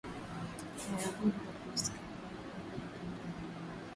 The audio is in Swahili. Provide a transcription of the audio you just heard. wayahudi walihusika kwenye mauaji ya kimbari